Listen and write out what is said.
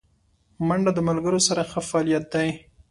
منډه د ملګرو سره ښه فعالیت دی